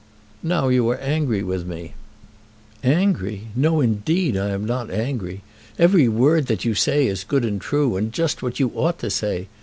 "Now you are angry with me." "Angry! No; indeed I am not angry. Every word that you say is good, and true, and just what you ought to say.